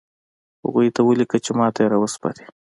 هغوی ته ولیکه چې ماته یې راوسپاري